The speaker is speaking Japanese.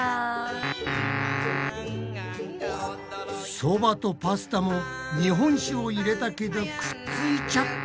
そばとパスタも日本酒を入れたけどくっついちゃった。